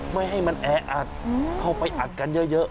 ไม่ให้มันแออัดเข้าไปอัดกันเยอะ